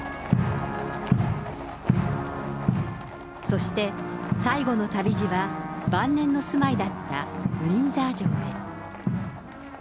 そして、最後の旅路は、晩年の住まいだったウィンザー城へ。